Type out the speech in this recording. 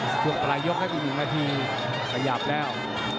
ส่วนปลายยกให้อีก๑นาทีขยับแล้ว